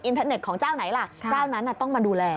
เทอร์เน็ตของเจ้าไหนล่ะเจ้านั้นต้องมาดูแล